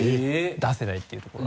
出せないっていうところが。